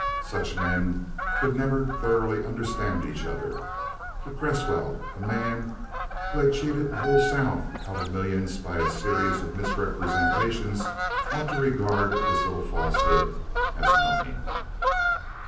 Such men could never thoroughly understand each other. To Cresswell a man who had cheated the whole South out of millions by a series of misrepresentations ought to regard this little falsehood as nothing.